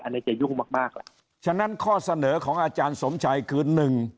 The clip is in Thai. อันนี้จะยุ่งมากมากล่ะฉะนั้นข้อเสนอของอาจารย์สมชัยคือหนึ่ง